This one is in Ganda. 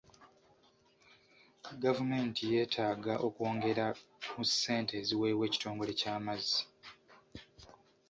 Gavumenti yeetaaga okwongera ku ssente eziweebwa ekitongole ky'amazzi.